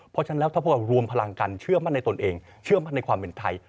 เพราะฉะนั้นแล้วถ้าพวกเรารวมพลังกันเชื่อมั่นในตนเองเชื่อมั่นในความเป็นไทย